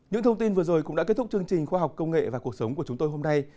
những thông tin vừa rồi cũng đã kết thúc chương trình khoa học công nghệ và cuộc sống của chúng tôi hôm nay